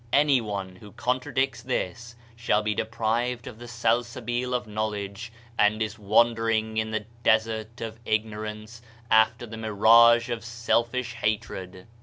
Anyone who contradicts this shall be deprived of the Sal sabil of Knowledge; and is wandering in the desert of ignorance after the mirage of selfish hatred.